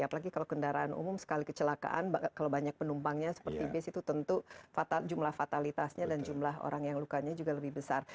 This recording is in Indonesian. apalagi kalau kendaraan umum sekali kecelakaan kalau banyak penumpangnya seperti bis itu tentu jumlah fatalitasnya dan jumlah orang yang lukanya juga lebih besar